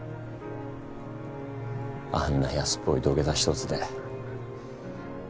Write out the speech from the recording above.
あんな安っぽい土下座一つで。